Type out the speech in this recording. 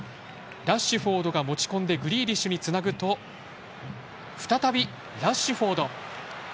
ラッシュフォードが持ち込んでグリーリッシュにつなぐと再びラッシュフォード。